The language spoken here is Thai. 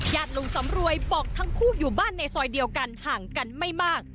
ลุงสำรวยบอกทั้งคู่อยู่บ้านในซอยเดียวกันห่างกันไม่มาก